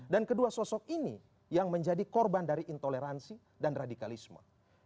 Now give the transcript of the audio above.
dan kedua sosok ini yang menjadi korban dari intoleransi dan radikalisme